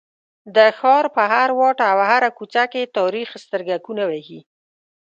د ښار په هر واټ او هره کوڅه کې تاریخ سترګکونه وهي.